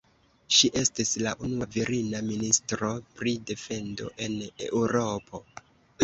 Ŝi estis la unua virina ministro pri defendo en Eŭropo.